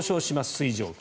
水蒸気。